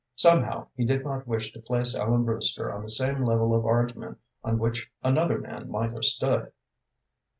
Somehow he did not wish to place Ellen Brewster on the same level of argument on which another man might have stood.